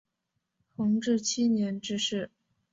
弘治七年致仕。